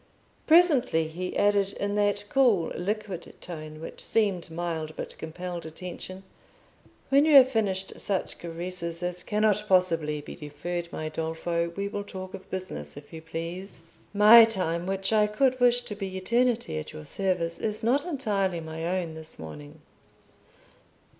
Presently he added, in that cool liquid tone which seemed mild, but compelled attention, "When you have finished such caresses as cannot possibly be deferred, my Dolfo, we will talk of business, if you please. My time, which I could wish to be eternity at your service, is not entirely my own this morning."